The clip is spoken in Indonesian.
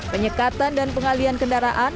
penyekatan dan pengalian kendaraan